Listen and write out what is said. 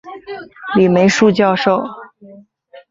李梅树教授